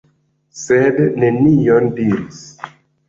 Sed nenion diris.